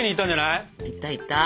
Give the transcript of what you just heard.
いったいった。